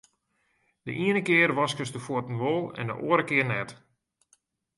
De iene kear waskest de fuotten wol en de oare kear net.